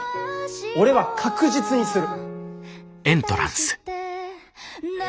俺は確実にする。